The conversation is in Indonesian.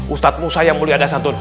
ustadz musa yang mulia dasantun